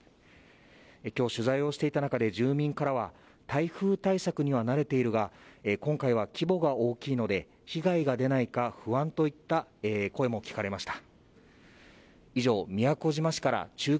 今日、取材をしていた中で住民からは、台風対策には慣れているが、今回は規模が大きいので被害が出ないか不安といった声も聞かれました。